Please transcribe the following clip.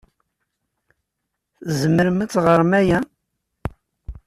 Tzemrem ad ɣṛem aya?